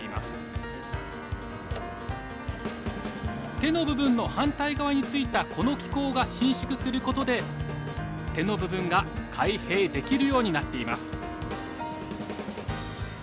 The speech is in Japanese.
手の部分の反対側についたこの機構が伸縮することで手の部分が開閉できるようになっています。